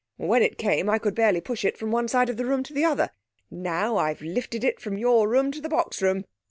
'When it came I could barely push it from one side of the room to the other. Now I've lifted it from your room to the box room.